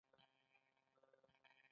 د توکو تولید په اړه خبرې کوو.